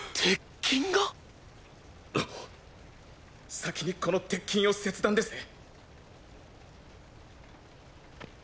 先にこの鉄筋を切断ですね。